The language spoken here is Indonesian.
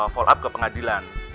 follow up ke pengadilan